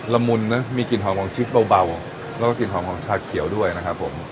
ละมุนนะมีกลิ่นหอมของชีสเบาแล้วก็กลิ่นหอมของชาเขียวด้วยนะครับผม